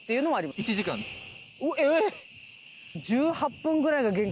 えっ！